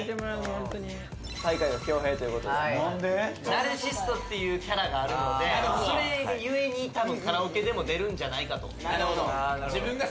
ナルシストっていうキャラがあるのでそれ故に多分カラオケでも出るんじゃないかと。